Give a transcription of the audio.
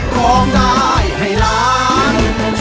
ก็ได้ให้ล้น